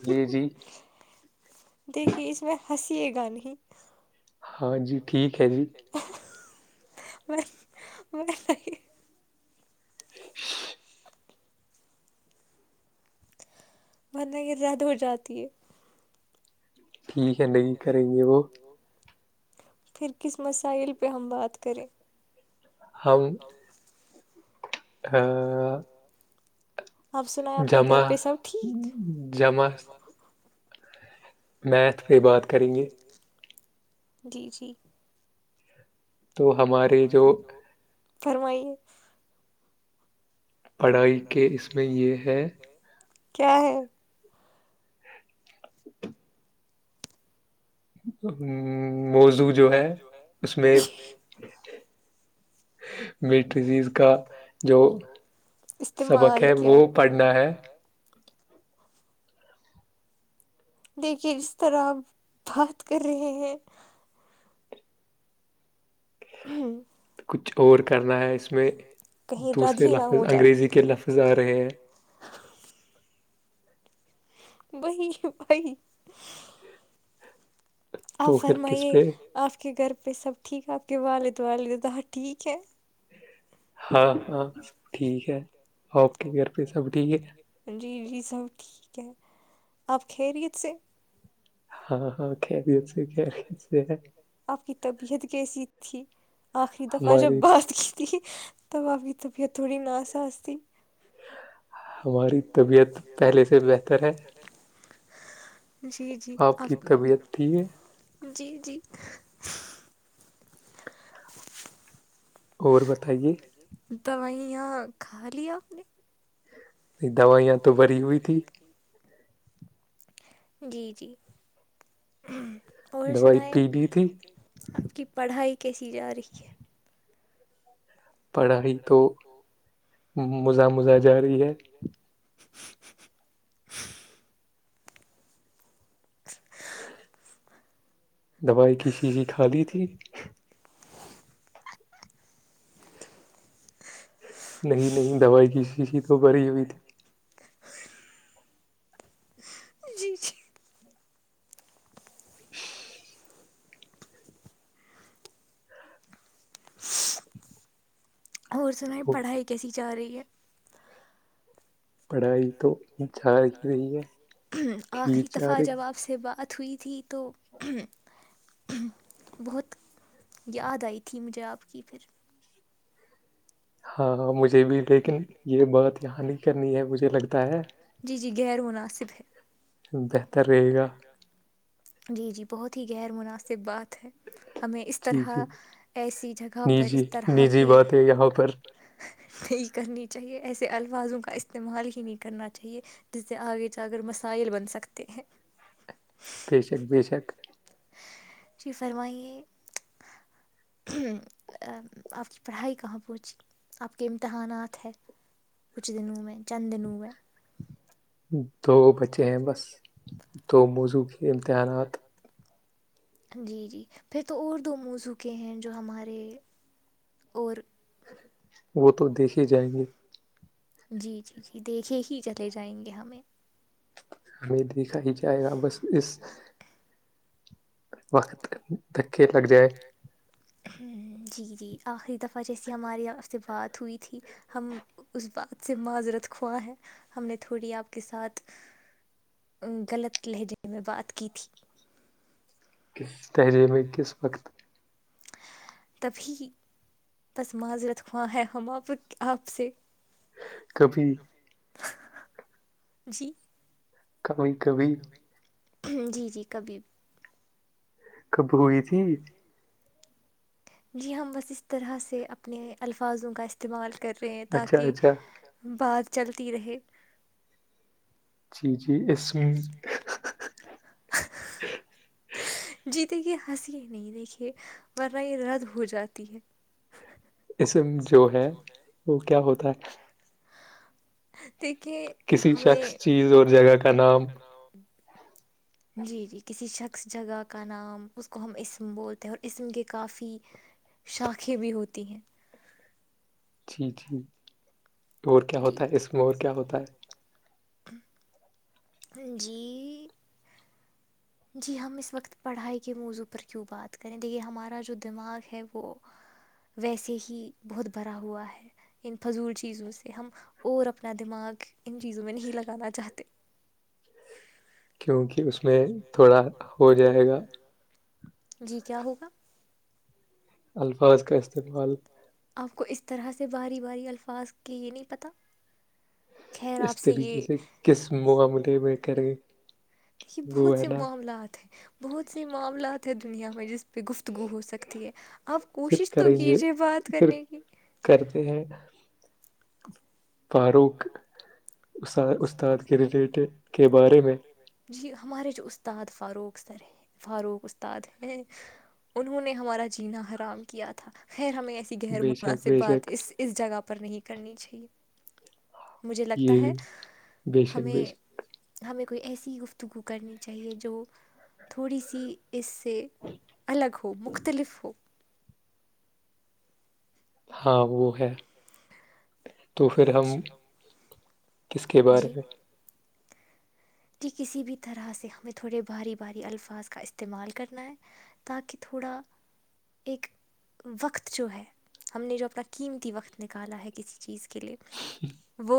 بولیے جی دیکھیے اس میں ہنسی یہ گان ہی ہاں جی ٹھیک ہے جی میں میں [unintelligible] [unintelligible] ورنہ کے زد ہو جاتی ہے ٹھیک ہے نہیں کریں گے وہ پھر کس مسائل پہ ہم بات کریں ہم ہاں آپ سنا ہے آپ کے گھر پہ سب ٹھیک جمع میتھ پہ بات کریں گے جی جی تو ہمارے جو فرمائیے پڑھائی کے اس میں یہ ہے کیا ہے ہوں موزو جو ہے اس میں [inaudible] میٹھزیز کا جو سبق استعمال ہے کیا وہ پڑھنا ہے دیکھیے جس طرح آپ بات کر رہے ہیں کہیں رد ہی نہ ہو جائے [inaudible] وہی ہے بھائی آپ تو پھر کس فرمائیے پہ آپ کے گھر پہ سب ٹھیک ہے آپ کے والد والد تھا ٹھیک ہے ہاں ہاں سب ٹھیک ہے آپ کے گھر پہ جی جی سب ٹھیک کیا آپ خیریت سے ہاں ہاں خیریت سے خیریت سے ہے آپ کی طبیعت کیسی تھی آخری دفعہ جب ہماری بات کی تب آپ کی طبیعت تھوڑی ناسا ا استی ہماری طبیعت پہلے سے بہتر ہے جی جی آپ کی طبیعت ت ہے جی جی اور بتائیے [inaudible] د وہیں یہ کھا لیا آپ نے نہیں دوائیاں تو بری ہوئی تھی جی جی اور دوائی سنائ پی لی تھی آپ کی پڑھائی قثیر رکھ [unintelligible] پڑھائی تو مزا مزہ جا رہی ہے [inaudible] دوائی کی شیشیں کھا لیی تھی نہیں نہیں دوائی کی شیشی تو بھری ہوئی تھی جی جی [inaudible] [inaudible] ہوور سناائی وہ پڑھائی کیسی چا رہی یہ [unintelligible] پڑھائی تو ا [unintelligible] رہی ہے آخری ٹھیک جا دفع رہی جب اپ سے بات ہھوئی تھی تو بہت یاد آئی تھی مجھے آپ کی پھر ہاں ہاں مجھے بھی لیکن یہ بات یہاں نہیں کرنی ہے مجھے لگتا ہے جی جی خیرمناسب [unintelligible] صب ہے [unintelligible] بہتر رہے گا جی جی بہت ہی غیر مناسب بات ہے ہمیں اس جی طرح جی ایسی جگہ پر نجی اس طرح نجی کی بات ہے یہاں پر نہیں کرنی چاہیے ایسے الفاظوں کا استعمال ہی نہیں کرنا چاہیے جس سے آگے جا کر مسائل بن سکتے ہیں بی شک بی شک جی فرمائیے آپ کی پڑھائی کہاں پہنچی آپ کے امتحانات ہے کچھ دنوں میں چند دنوں میں دو بچے ہیں بس دو موضوع کے امتحانات جی جی پھر تو اور دو موزوکے ہیں جو ہمارے اور وہ تو دیکھ ہی جائیں گے جی جی جی دیکھے ہی چلے جائیں گے ہمیں ہم دیک دکھ ہی جائے گا بس اس وقت دھکے لگ جائے ہم، جی جی آخری دفعہ جیسی ہمارے آپ سے بات ہوئی تھی ہم اس بات سے معذرت خواں ہیں ہم نے تھوڑی آپ کے ساتھ غلط لہجے میں بات کی تھی لہجے میں کس وقت تبھی بس معذرکھواں ہے ہم آپ آپ سے کبھی جی کبھی کبھی جی جی کبھی کب ہوئی تھی جی ہم بس اس طرح سے اپنے الفاظوں کا استعمال کر رہے ہیں اچھا تاکہ اچھا بعد چلتی رہے جی جی جی اس ہ جیتے کہ ہنسی نہیں دیکھے ورنہ یہ رد ہو جاتی ہے اسم جو ہے وہ کیا ہوتا ہے ہوہت ہے اچ دیکھیے کسی شخص ہمیں چیز اور جگہ کا ج نام کا [inaudible] جی ٹھیک اور کیا جی ہوتا ہے اس میں اور کیا ہوتا ہے جی جی ہم اس وقت پڑھائی کے موضوع پر کیوں بات کریں دیکھیے ہمارا جو دماغ ہے وہ ویسے ہی بہت بھرا ہوا ہے ان فضول چیزوں سے ہم اور اپنا دماغ ان چیزوں میں نہیں لگانا چاہتے کیونکہ اس میں تھوڑا ہو جائے گا جی کیا ہوگا الفاظ کا استعمال آپ کو اس طرح سے باری باری الفاظ کہ یہ نہیں پتا اس طریقے سے کس معقاملے میں کریں دیکھیے وہ بہت ہے سے نا معاملات ہیں بہت سے معاملات دنیا میں جس پہ گفتگو ہو سکتی ہے آپ پھر کوشش تو کریں گے کیجیے بات پھر کرنے کی کرتے ہیں فاروق اس استاد کے ریلیٹ کے بارے میں جی ہمارے جو استاد فاروق ا سر ہیں فاروق استاد ہیں انہوں نے ہمارا جینا حرام کیا تھا خیر ہمیں ایسی بے شک غیرمناسب بے بات شک اس اس جگہ پر نہیں کرنی چاہیے مجھے لگتا ہے ب شک ہمیں بیسک ہمیں کوئی ایسی گفتگو کرنی چاہیے جو تھوڑی سی اس سے الگ ہو مختلف ہو ہاں وہ ہے تو پھر ہم کس کے بارے میں جی کسی بھی طرح سے ہمیں تھوڑے بھاری باری الفاظ کا استعمال کرنا ہے تاکہ تھوڑا ایک وقت جو ہے ہم نے جو اپنا قیمتی وقت نکالا ہے کسی چیز کے لیے وہ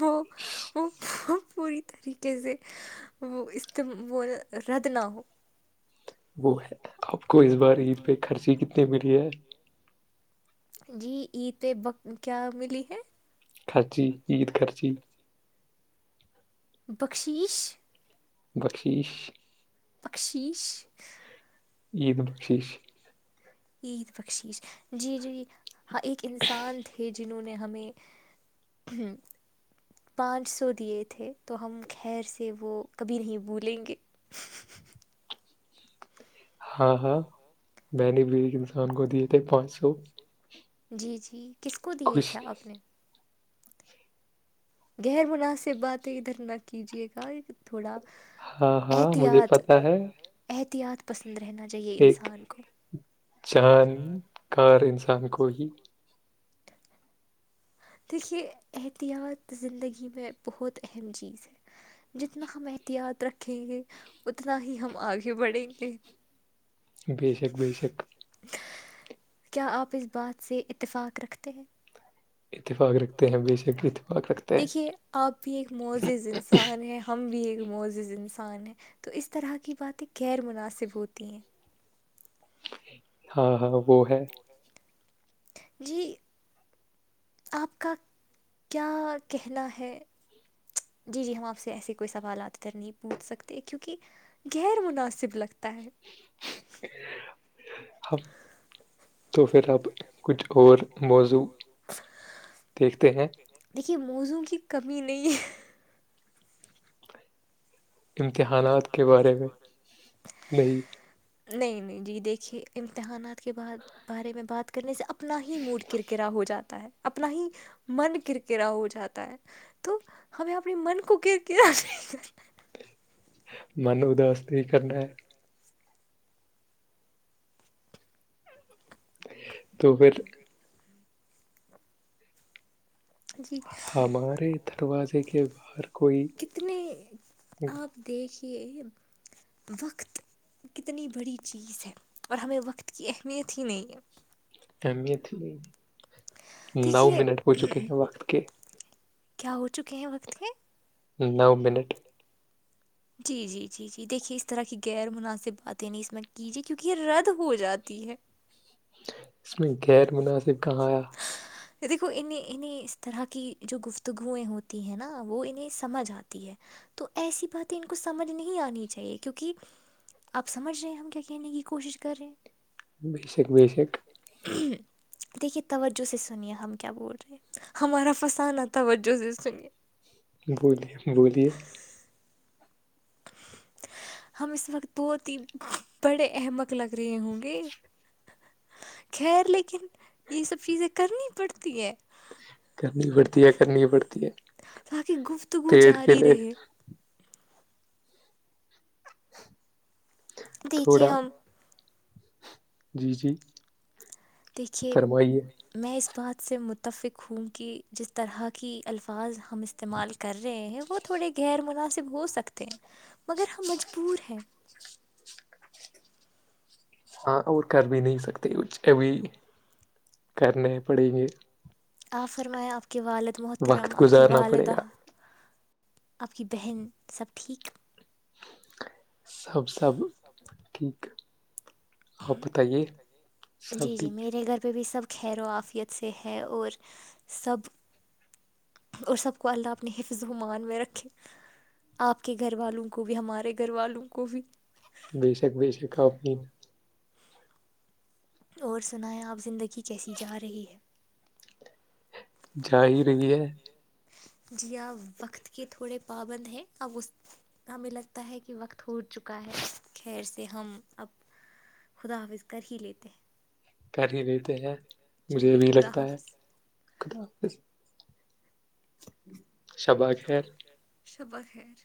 وہ وہ پوری طریقے سے وہ اس وہ رد نہ ہو وہ ہے کو اس بار عید پہ خرچی کیتنا اے ملی ہے جی ای پ کیا ملی ہے خرچی عید خرچی بخشش بخیش بکشش یہیدم شیش عید بخشیش جی جی ہاں ایک انسان تھے جنہوں نے ہمیں پانچ سو دیے تھے تو ہم خیر سے وہ کبھی نہیں بھولیں گے ہاں ہاں میں نے بھی ایک انسان کو دی تو پانچ سو جی جی کس کو دیے خوش تھے اپ نے غیر مناسب بات ادھر نہ کیجیے گا تھوڑا ہاں ہاں مجھے احتیاط پتا ہے احتیاط پسند رہنا چاہیے ایک انسان کو جان کار انسان کو ہی دیکھیے احتیاط زندگی میں بہت اہم چیز ہے جتنا ہم احتیاط رکھیں گے اتنا ہی ہم آگے بڑھیں گے بیسک بیسک کیا آپ بات سے اتفاق رکھتے ہیں۔ اتفاق رکھتے ہیں بے شک اتفاق رکھتے ہیں دیکھیے آپ بھی ایک مزز انسان ہے ہم بھی ایک مزز انسان ہے تو اس طرح کی باتیں غیر مناسب ہوتی ہیں ہاں ہاں وہ ہے جی آپ کا کیا کہنا ہے جی جی ہم آپ سے ایسے کوئی سوالات تر نہیں پوچھ سکتے کیونکہ غیر مناسب لگتا ہے ہم تو پھر اب کچھ اور موضوع دیکھتے ہیں دیکھیے موزو کی کمی نہیں ہے امتحانات کے بارے میں نہیں نہیں نہیں جی دیکھیے امتحانات کے ب بارے میں بات کرنے سے اپنا ہی موڈ کرکرا ہو جاتا ہے اپنا ہی من کررکرا ہو جاتا ہے تو ہمیں اپنے من کو کرکرا نہیں کر من اداس نہیں کرنا ہے توپھر جی ہمارے دروازے کے باہر کوئی کتنے آپ دیکھ کہ وقت کتنی بڑی چیز ہے اور ہمیں وقت کی اہمیت ہی نہیں ہے امیت ہوئی نو دیکھیے منٹ ہو چکے ہیں وقت کے کیا ہو چکے ہیں وقت کے نو منٹ جی جی جی جی دیکھیے اس طرح کی غیر مناسب باتیں نہیں اس میں کیجیے کیونکہ یہ رد ہو جاتی ہے اس میں غیر مناسب کہاں آیا دیکھو انہیں انہیں اس طرح کی جو گفتگوئیں ہوتی ہیں نا وہ انہیں سمجھ آتی ہے تو ایسی بات تو ان کو سمجھ نہیں آنی چاہیے کیونکہ آپ سمجھ رہے ہیں ہم کیا کہنے کی کوشش کر رہے ہیں بیسک بیسک دیکھیے توجہ سے سنیے ہم کیا بول رہے ہیں ہمارا فسانہ توجہ سے سنیے بوجلیے بوجلیے ہم اس وقت بہت ہی بڑے احمک لگ رہے ہوں گے خیر لیکن یہ سب چیزیں کرنی پڑتی ہے کرنی پڑتی ہے کرنی پڑتی ہے تاکہ گفتگو پیڑ کے جاری لیے رہے دیکھیے تھوڑا ہم جی جی دیکھیے فرمائیے میں آ بات سے متفق ہوں کہ جس طرح کی الفاظ ہم استعمال کر رہے ہیں وہ تھوڑے غیر مناسب ہو سکتے ہیں مگر ہم مجبور ہیں ہاں اور کر بھی نہیں سکتے کچ ا بھی کرنے پڑے گے آپ فرمایں آپ کو اب کے والد وقت محترم آپ کی گزارنا پڑے والدہ گا آپ کی بہن سب ٹھیک سب سب ٹھیک آپ بتائیے سب جی جی ٹھیک میرے گھر پہ بھی سب خیر و آافیت سے ہے اور سب اور سب کو اللہ اپنے حفظ ومان میں رکھے آپ کے گھر والوں کو بھی ہمارے گھر والوں کو بھی بے شک بے شک آپ نیند اور سنائیں آپ زندگی کیسی جا رہی ہے جا ہی رہی ہے جی ہاں وقت کے تھوڑے پابند ہیں اب اس ہمیں لگتا ہے کہ وقت ہو چکا ہے خیر سے ہم اب خدا حافظ کر ہی لیتے ہیں کر ہی لیتے ہیں مجھے چلیے بھی خدا لگتا ہے حافظ خدا حافظ ہ [unintelligible] شب اشار [unintelligible] شبہ خیر